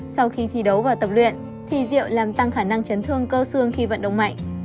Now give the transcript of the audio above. sau khi thi đấu và tập luyện thì rượu làm tăng khả năng chấn thương cơ xương khi vận động mạnh